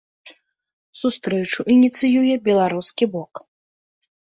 Сустрэчу ініцыюе беларускі бок.